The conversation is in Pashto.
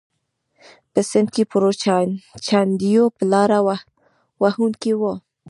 په سند کې پرو چاندیو یو لاره وهونکی و.